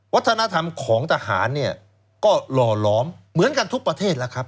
วัฒนธรรมของทหารเนี่ยก็หล่อหลอมเหมือนกันทุกประเทศแล้วครับ